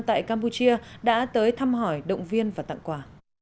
tại campuchia đã tới thăm hỏi động viên và tặng quà